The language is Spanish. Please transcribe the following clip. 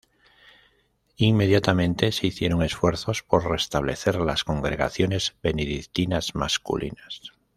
Inmediatamente se hicieron esfuerzos por restablecer las congregaciones benedictinas masculinas.